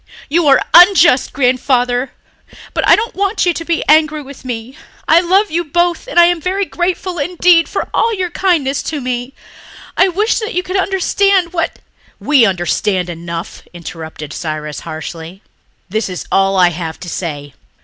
You are unjust, Grandfather. But I don't want you to be angry with me. I love you both and I am very grateful indeed for all your kindness to me. I wish that you could understand what...." "We understand enough," interrupted Cyrus harshly. "This is all I have to say.